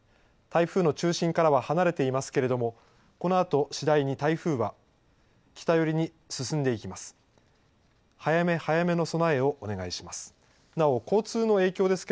台風の中心からは離れていますけれどもこのあと、次第に台風は北寄りに進んでいきます。